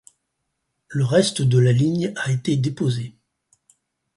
Le reste de la ligne a été déposé.